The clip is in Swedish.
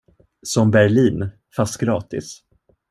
Som Berlin, fast gratis!